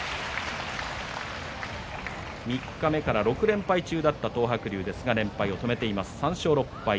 三日目から６連敗中だった東白龍ですが連敗を止めています